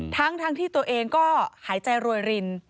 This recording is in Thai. ทั้งที่ตัวเองก็หายใจรวยริน